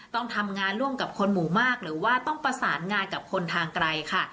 ต้องทำงานร่วมกับคนหมู่มากหรือว่าต้องประสานงานกับคนทางไกลค่ะ